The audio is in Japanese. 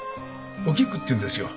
お菊っていうんですよ。